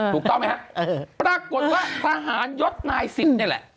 ถูกต้องไหมฮะปรากฏว่าทหารยศนายสิบนี่แหละ